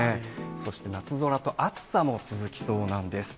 そして、夏空と暑さも続きそうなんです。